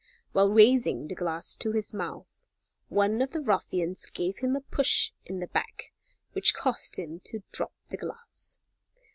While raising the glass to his mouth one of the ruffians gave him a push in the back which caused him to drop the glass.